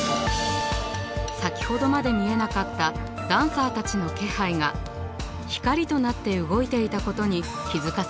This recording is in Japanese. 先ほどまで見えなかったダンサーたちの気配が光となって動いていたことに気付かされます。